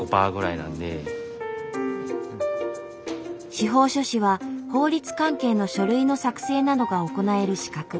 司法書士は法律関係の書類の作成などが行える資格。